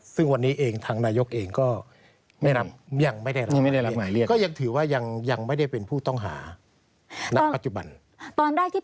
คือนึกว่ามันเป็นพยาน๘๓๐๒